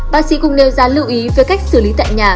bác sĩ cũng nêu ra lưu ý về cách xử lý tại nhà